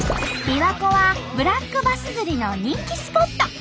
びわ湖はブラックバス釣りの人気スポット。